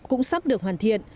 cũng sắp được hoàn thiện